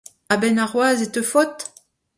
A-benn warc’hoazh e teufot ?